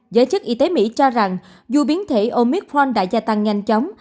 giới chức y tế mỹ cho rằng dù biến thể omicron đã gia tăng nhanh chóng